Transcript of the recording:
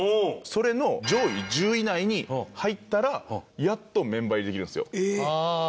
それの上位１０位以内に入ったらやっとメンバー入りできるんですよ。